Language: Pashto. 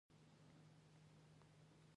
خالي جب يو ژور درد دې